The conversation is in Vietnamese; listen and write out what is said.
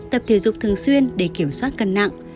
tập thể dục thường xuyên để kiểm soát cân nặng